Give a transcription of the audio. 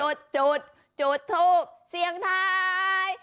จุดจุดทูบเสียงท้าย